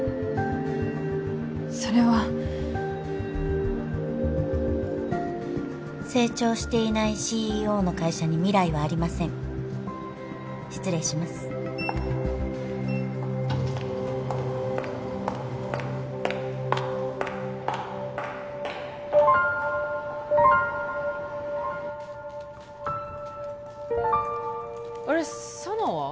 それは成長していないＣＥＯの会社に未来はありません失礼しますあれ佐奈は？